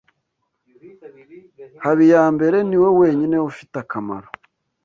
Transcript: Habiyambere niwe wenyine ufite akamaro.